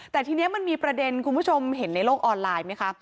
แต่ทีนี้มันมีประเด็นคุณผู้ชมเห็นในโลกออนไลน์ไหมคะ